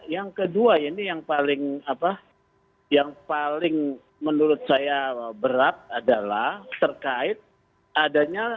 yang kedua ini yang paling menurut saya berat adalah terkait adanya